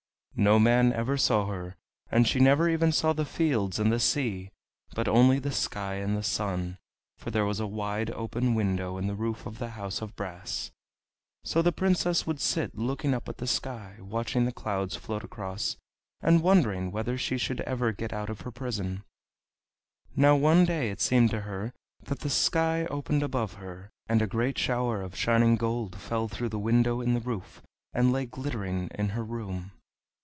No man ever saw her, and she never saw even the fields and the sea, but only the sky and the sun, for there was a wide open window in the roof of the house of brass. So the Princess would sit looking up at the sky, and watching the clouds float across, and wondering whether she should ever get out of her prison. Now one day it seemed to her that the sky opened above her, and a great shower of shining gold fell through the window in the roof, and lay glittering in her room.